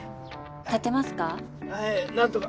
立てますか？